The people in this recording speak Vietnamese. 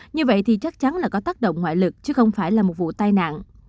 như vậy thì chắc chắn là có tác động ngoại lực chứ không phải là một vụ tai nạn